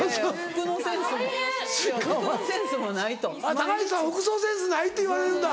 高市さん服装センスないって言われるんだ。